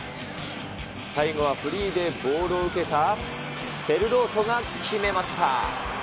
最後はフリーでボールを受けたセルロートが決めました。